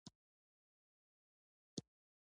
ښه محصول پخپله بازار مومي.